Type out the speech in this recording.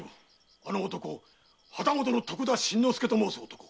あの男旗本の徳田新之助と申す男。